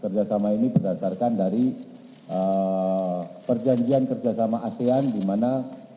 kerjasama ini berdasarkan dari perjanjian kerjasama asean di mana